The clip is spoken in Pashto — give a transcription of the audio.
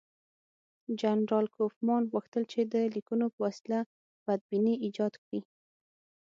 جنرال کوفمان غوښتل چې د لیکونو په وسیله بدبیني ایجاد کړي.